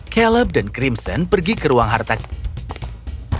caleb dan crimson pergi ke ruang harta ken